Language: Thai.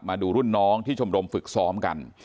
มาดูรุ่นน้องที่ชมรมฝึกซ้อมกัน